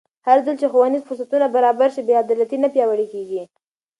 هرځل چې ښوونیز فرصتونه برابر شي، بې عدالتي نه پیاوړې کېږي.